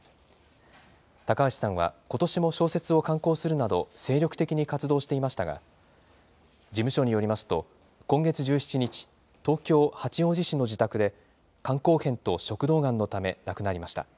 高橋さんはことしも小説を刊行するなど、精力的に活動していましたが、事務所によりますと、今月１７日、東京・八王子市の自宅で、肝硬変と食道がんのため亡くなりました。